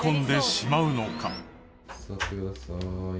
座ってください。